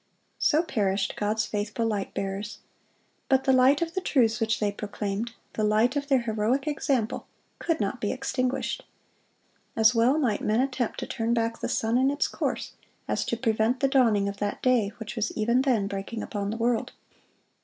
So perished God's faithful light bearers. But the light of the truths which they proclaimed,—the light of their heroic example,—could not be extinguished. As well might men attempt to turn back the sun in its course as to prevent the dawning of that day which was even then breaking upon the world.